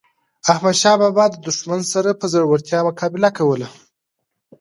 احمد شاه بابا د دښمن سره په زړورتیا مقابله کوله.